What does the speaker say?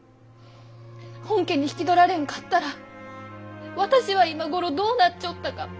本家に引き取られんかったら私は今頃どうなっちょったか。